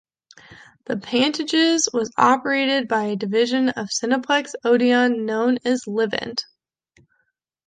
The Pantages was operated by a division of Cineplex Odeon known as Livent.